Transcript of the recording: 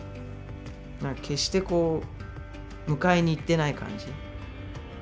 なんか決してこう迎えに行ってない感じ。